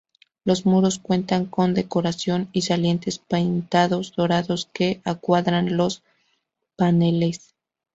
Los muros cuentan con decoración y salientes pintados dorados que encuadran los paneles.